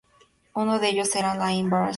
Uno de ellos era Alain Blanchard.